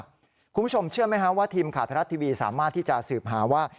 คุณผู้ชมเชื่อไหมครับว่าทีมข่าวไทยรัฐทีวีสามารถที่จะสืบหาว่า